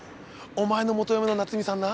お前の元嫁の夏美さんな。